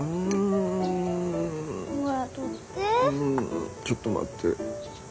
うんちょっと待って。